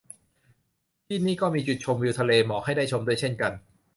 ที่นี่ก็มีจุดชมวิวทะเลหมอกให้ได้ชมด้วยเช่นกัน